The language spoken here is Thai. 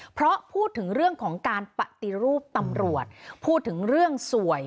เพราะพูดถึงเรื่องของการปฏิรูปตำรวจพูดถึงเรื่องสวย